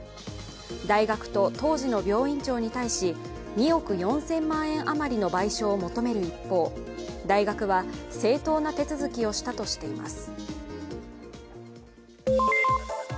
大学と当時の病院長に対し、２億４０００万円余りの賠償を求める一方大学は、正当な手続きをしたとしています。